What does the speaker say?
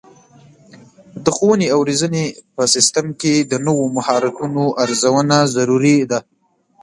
د ښوونې او روزنې په سیستم کې د نوو مهارتونو ارزونه ضروري ده.